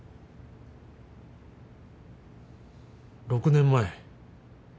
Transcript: ６年前。